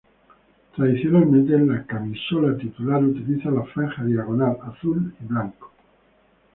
Tradicionalmente en la camisola titular utiliza la franja diagonal azul y blanco.